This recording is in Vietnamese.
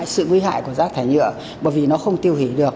sự nguy hại của rác thải nhựa bởi vì nó không tiêu hủy được